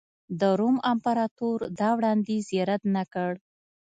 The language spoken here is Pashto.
د روم امپراتور دا وړاندیز یې رد نه کړ